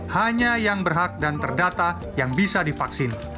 hanya yang berhak dan terdata yang bisa divaksin